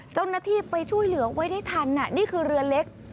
เจ้าหน้าที่ไปช่วยเหลือไว้ได้ทันนี่คือเรือเล็ก